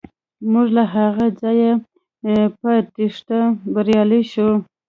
موږ له هغه ځایه په تیښته بریالي شو.